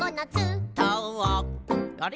あれ？